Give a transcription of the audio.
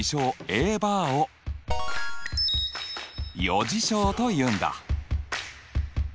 Ａバーを余事象というんだ。